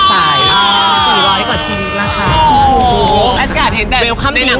ใสรอยดีกว่าชีวิตของเราเลยค่ะ